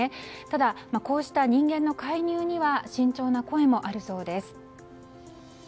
ただ、こうした人間の介入には慎重な声もあるそうです。